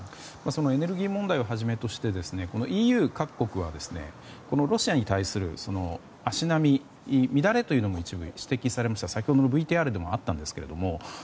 そのエネルギー問題をはじめとしてＥＵ各国はロシアに対する足並み乱れというのも指摘されましたが先ほどのＶＴＲでもあったんですけれども。